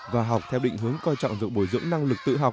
và học theo định hướng coi trọng việc bồi dưỡng năng lực tự học